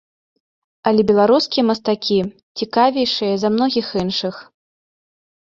Але беларускія мастакі цікавейшыя за многіх іншых.